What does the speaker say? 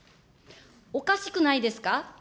おかしくないですか。